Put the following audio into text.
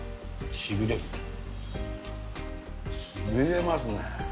しびれますね。